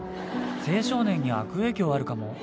青少年に悪影響あるかも。